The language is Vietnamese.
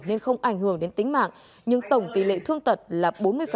nên không ảnh hưởng đến tính mạng nhưng tổng tỷ lệ thương tật là bốn mươi